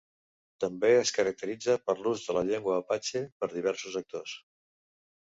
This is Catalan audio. També es caracteritza per l'ús de la llengua apatxe per diversos actors.